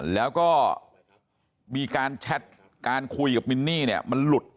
แล้วก็มีการแชทการคุยกับมินนี่เนี่ยมันหลุด